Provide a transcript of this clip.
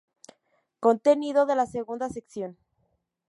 Contenido de la segunda sección.